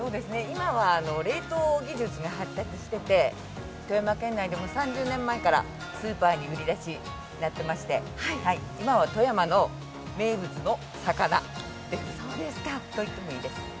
今は冷凍技術が発達してて富山県内でも３０年前からスーパーに売り出しになっていまして、今は富山の名物の魚と言ってもいいです。